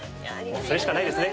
それしかないですね。